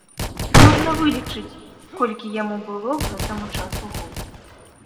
Можна вылічыць, колькі яму было к гэтаму часу год.